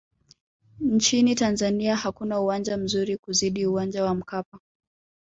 nchini tanzania hakuna uwanja mzuri kuzidi uwanja wa mkapa